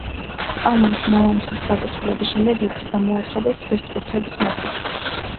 ამ ომში მამამისის გარდაცვალების შემდეგ იგი გამოაცხადეს ვესტგუთების მეფედ.